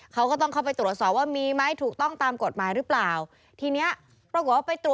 เขาก็ต้องเข้าไปตรวจสอบว่ามีไม่ทักต่องตามกฎหมายรึเปล่า